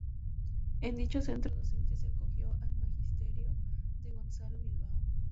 En dicho centro docente se acogió al magisterio de Gonzalo Bilbao.